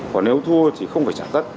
còn nếu thua thì không phải trả tất